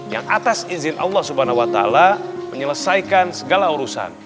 yang atas izin allah swt menyelesaikan segala urusan